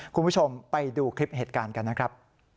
คุณผู้ชมไปดูคลิปเหตุการณ์กันนะครับ